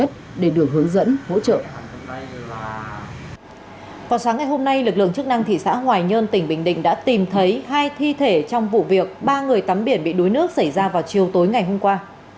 còn sáng ngày hôm nay lực lượng chức năng thị xã hoài nhơn tỉnh bình định đã tìm thấy hai thi thể trong vụ việc ba người tắm biển bị đuối nước xảy ra vào chiều tối ngày hôm qua